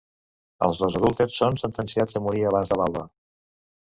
Els dos adúlters són sentenciats a morir abans de l’alba.